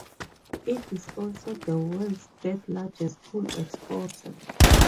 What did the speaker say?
It is also the world's third largest coal exporter.